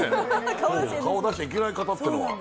顔を出しちゃいけない方っていうのは。